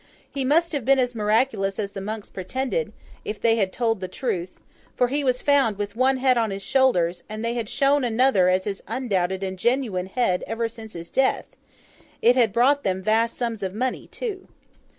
He must have been as miraculous as the monks pretended, if they had told the truth, for he was found with one head on his shoulders, and they had shown another as his undoubted and genuine head ever since his death; it had brought them vast sums of money, too.